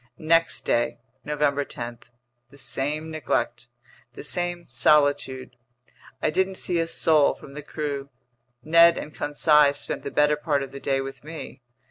Next day, November 10: the same neglect, the same solitude. I didn't see a soul from the crew. Ned and Conseil spent the better part of the day with me.